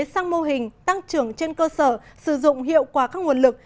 sang mô hình tăng trưởng trên cơ sở sử dụng hiệu quả các nguồn lực